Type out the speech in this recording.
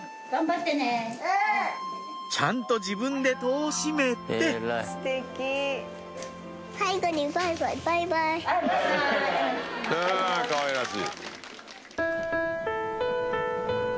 ちゃんと自分で戸を閉めてかわいらしい！